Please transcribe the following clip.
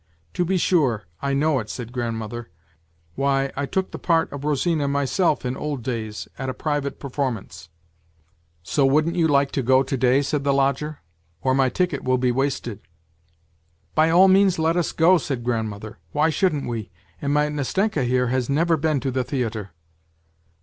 'To be sure, I know it,' said grandmother; 'why, I took the part of Rosina myself in old days, at a private performance !' 28 WHITE NIGHTS "' So wouldn't you like to go to day ?' said the lodger. ' Or my ticket will be wasted.' "' By all means let us go,' said grandmother ; why shouldn't we ? And my Nastenka here has never been to the theatre.'